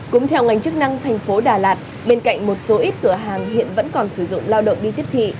cũng theo ngành chức năng thành phố đà lạt bên cạnh một số ít cửa hàng hiện vẫn còn sử dụng lao động đi tiếp thị